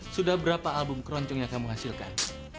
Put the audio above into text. sudah berapa album keroncong yang kamu hasilkan